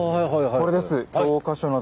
これです。